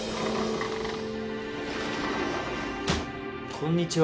こんにちは。